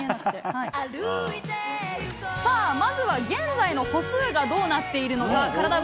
まずは現在の歩数がどうなっているのか、カラダ